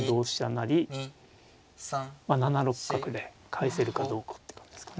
成７六角で返せるかどうかって感じですかね。